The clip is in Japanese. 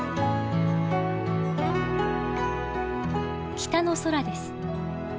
北の空です。